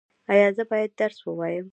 ایا زه باید درس ووایم؟